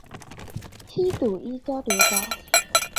七堵一交流道